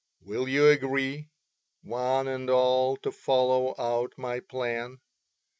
Will you agree, one and all, to follow out my plan?